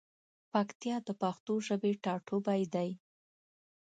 پکتیا د پښتو ژبی ټاټوبی دی.